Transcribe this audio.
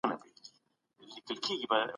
تاسي باید خپلي پوهني ته نوره هم پراختیا ورکړئ.